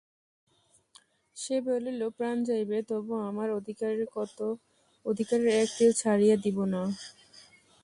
সে বলিল, প্রাণ যাইবে তবু আমার অধিকারের এক তিল ছাড়িয়া দিব না।